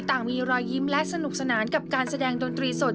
ต่างมีรอยยิ้มและสนุกสนานกับการแสดงดนตรีสด